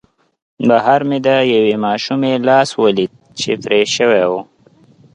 بهر مې د یوې ماشومې لاس ولید چې پرې شوی و